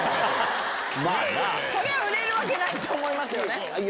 それは売れるわけないと思いますよね。